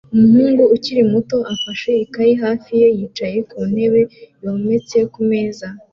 Umuhungu ukiri muto afashe ikaye hafi ye yicaye ku ntebe yometse ku meza